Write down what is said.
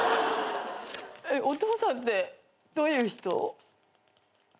お父さんってどういう人？